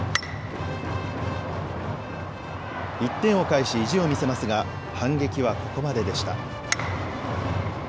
１点を返し意地を見せますが反撃はここまででした。